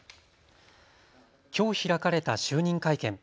きょう開かれた就任会見。